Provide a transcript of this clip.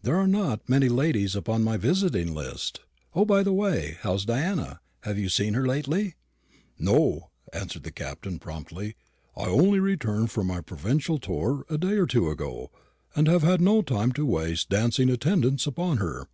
"There are not many ladies on my visiting list. O, by the way, how's Diana? Have you seen her lately?" "No," answered the Captain, promptly. "I only returned from my provincial tour a day or two ago, and have had no time to waste dancing attendance upon her.